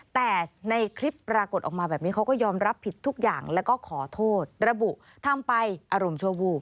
แต่ในคลิปปรากฏออกมาแบบนี้เขาก็ยอมรับผิดทุกอย่างแล้วก็ขอโทษระบุทำไปอารมณ์ชั่ววูบ